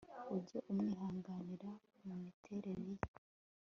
ujye umwihanganira mumiterere ye